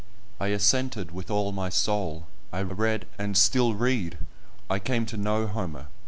I assented with all my soul. I read, and still read; I came to know Homer.